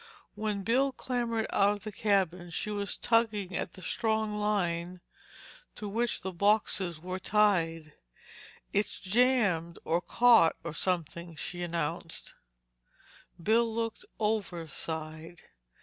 When Bill clambered out of the cabin she was tugging at the strong line to which the boxes were tied. "It's jammed, or caught, or something," she announced. Bill looked overside.